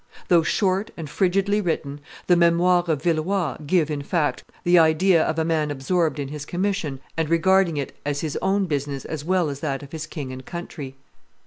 Though short and frigidly written, the Memoires of Villeroi give, in fact, the idea of a man absorbed in his commission and regarding it as his own business as well as that of his king and country.